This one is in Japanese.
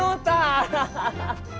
アハハハ！